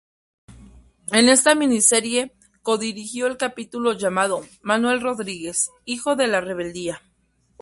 En esta miniserie codirigió el capítulo llamado "Manuel Rodríguez, hijo de la rebeldía".